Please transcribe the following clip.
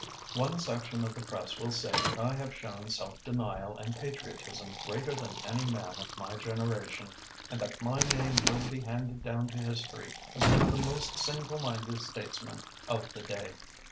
"One section of the Press will say that I have shown self denial and patriotism greater than any man of my generation and that my name will be handed down to history as one of the most single minded statesmen of the day.